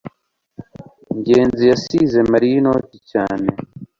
ngenzi yasize mariya inoti cyane